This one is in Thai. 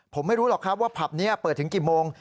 ผมไม่รู้หรอกครับว่าผับนี้เปิดถึงกี่โมง